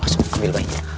masuk ambil bayinya